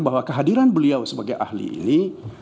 bahwa kehadiran beliau sebagai ahli ini